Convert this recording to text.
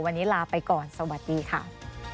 วันนี้ลาไปก่อนสวัสดีค่ะ